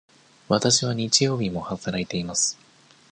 わたしは日曜日も働いています。